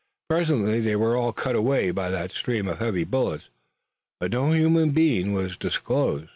Presently they were all cut away by that stream of heavy bullets, but no human being was disclosed.